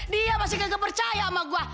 dia masih gak percaya sama gue